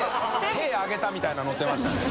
手揚げたみたいなののってましたね。